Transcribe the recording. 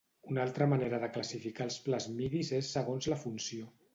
Una altra manera de classificar els plasmidis és segons la funció.